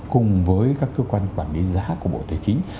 cùng với các cơ quan quản lý giá của bộ tài chính